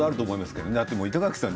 板垣さん